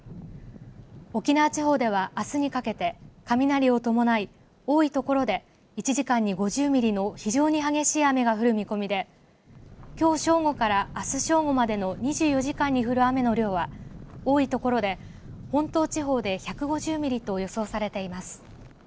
沖縄地方では、あすにかけて雷を伴い多い所で１時間に５０ミリの非常に激しい雨が降る見込みできょう正午から、あす正午までの２４時間に降る雨の量は多い所で本島地方で１５０ミリと予想されています。